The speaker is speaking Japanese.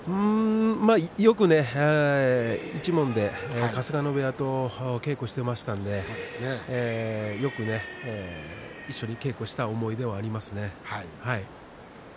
よくね一門で春日野部屋と稽古していましたのでよく一緒に稽古をした思い出がありますね。